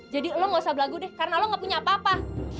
jadi lo nggak usah belagu deh karena lo nggak punya apa apa